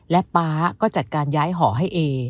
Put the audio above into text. และป๊าก็จัดการย้ายหอให้เอ